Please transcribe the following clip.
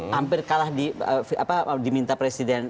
hampir kalah di apa diminta presiden